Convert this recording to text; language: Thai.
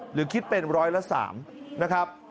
หรือคิดเป็นร้อยละ๓นะครับ